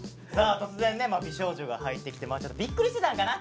突然ね美少女が入ってきてちょっとびっくりしてたんかな。